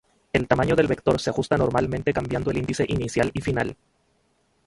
El tamaño del vector se ajusta normalmente cambiando el índice inicial y final.